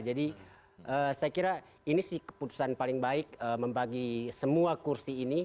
jadi saya kira ini sih keputusan paling baik membagi semua kursi ini